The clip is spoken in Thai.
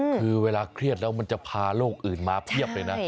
คือเวลาเครียดแล้วมันจะพาโรคอื่นมาเพียบเลยนะ